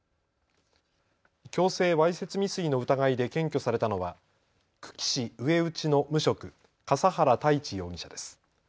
強制わいせつ未遂の疑いで検挙されたのは久喜市上内の無職、笠原太智容疑者です。